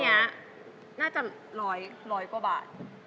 อันนี้น่าจะร้อยกว่าบาท